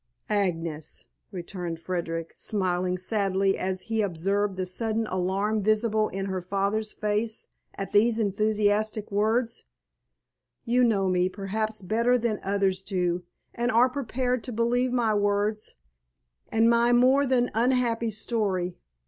"Agnes," returned Frederick, smiling sadly as he observed the sudden alarm visible in her father's face at these enthusiastic words, "you know me perhaps better than others do and are prepared to believe my words and my more than unhappy story.